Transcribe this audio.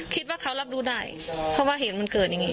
คิดว่าเขารับรู้ได้เพราะว่าเหตุมันเกิดอย่างนี้